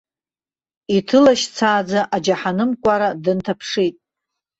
Иҭылашьцааӡа аџьаҳаным кәара дынҭаԥшит.